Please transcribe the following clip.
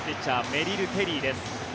メリル・ケリーです。